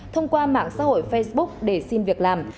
thông qua mạng xã hội facebook để xin việc làm